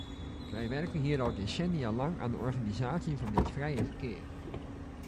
Wij werken hier al decennia lang aan de organisatie van dit vrije verkeer.